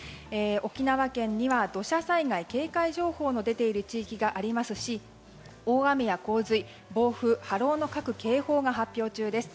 沖縄県には土砂災害警戒情報が出ている地域もありますし大雨や洪水、暴風波浪の各警報が発表中です。